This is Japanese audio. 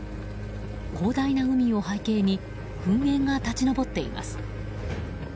広大な海を背景に噴煙が立ち上っています。